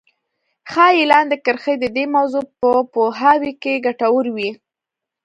ښايي لاندې کرښې د دې موضوع په پوهاوي کې ګټورې وي.